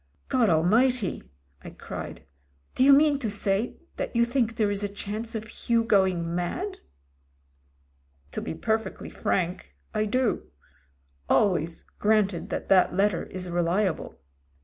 "God Almighty !" I cried, "do you mean to say that you think there is a chance of Hugh going mad ?" To be perfectly frank, I do; always granted that ii» THE DEATH GRIP 197 that letter is reliable.